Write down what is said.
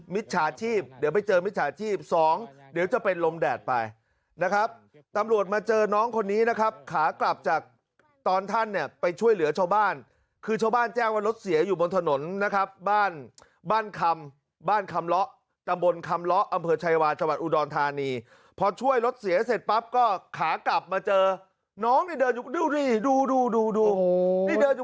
จฉาชีพเดี๋ยวไปเจอมิจฉาชีพสองเดี๋ยวจะเป็นลมแดดไปนะครับตำรวจมาเจอน้องคนนี้นะครับขากลับจากตอนท่านเนี่ยไปช่วยเหลือชาวบ้านคือชาวบ้านแจ้งว่ารถเสียอยู่บนถนนนะครับบ้านบ้านคำบ้านคำเลาะตำบลคำเลาะอำเภอชายาจังหวัดอุดรธานีพอช่วยรถเสียเสร็จปั๊บก็ขากลับมาเจอน้องนี่เดินดูดิดูดูดูดูดูนี่เดินอยู่